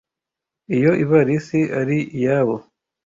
Iyo ivarisi ari iyabo.